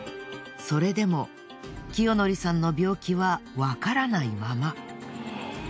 それでも清智さんの病気はわからないまま。